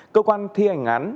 cơ quan thi hành án